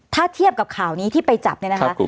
ถ้าเทียบกับข่าวนี้ที่ไปจับเนี่ยนะคะ